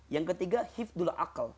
yang ketiga hibdula aqal